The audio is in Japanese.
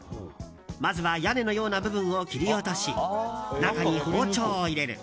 まずは屋根のような部分を切り落とし、中に包丁を入れる。